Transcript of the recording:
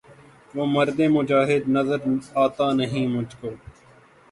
وہ مرد مجاہد نظر آتا نہیں مجھ کو